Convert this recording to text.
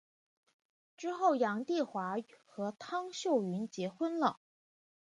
之后杨棣华和汤秀云结婚了。